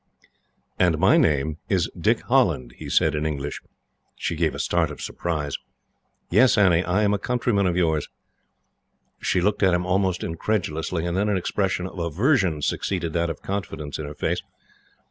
"And my name is Dick Holland," he said, in English. She gave a start of surprise. "Yes, Annie, I am a countryman of yours." She looked at him almost incredulously, and then an expression of aversion succeeded that of confidence in her face.